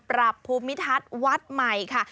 ปรับภูมิทัศน์วัดใหม่ค่ะ